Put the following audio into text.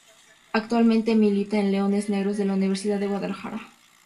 Actualmente milita en Leones Negros de la Universidad de Guadalajara.